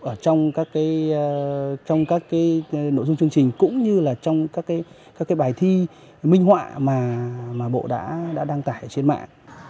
ở trong các nội dung chương trình cũng như là trong các bài thi minh họa mà bộ đã đăng tải trên mạng